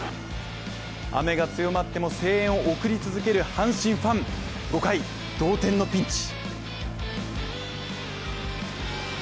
雨が強まっても声援を送り続ける阪神ファン、５回同点のピンチ。